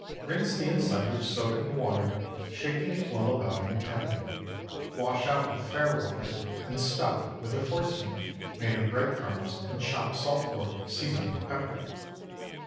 Rinse the inside with soda and water, shaking it well about in the cavity; wash out with fair water and stuff with a force meat made of bread crumbs and chopped salt pork, seasoned with pepper.